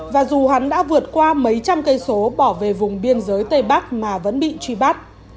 và dù hắn đã vượt qua mấy trăm cây số bỏ về vùng biên giới tây bắc mà vẫn bị truy bắt